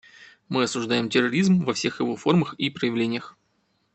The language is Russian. Мы осуждаем терроризм во всех его формах и проявлениях.